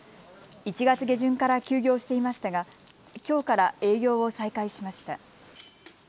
１月下旬から休業していましたがきょうから営業を再開しました。